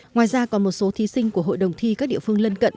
ngoài ra còn một số thí sinh của hội đồng thi các địa phương lân cận